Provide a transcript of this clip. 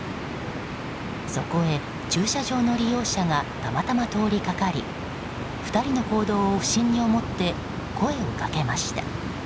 そこへ駐車場の利用者がたまたま通りかかり２人の行動を不審に思って声をかけました。